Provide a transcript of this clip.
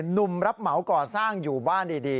หนุ่มรับเหมาก่อสร้างอยู่บ้านดี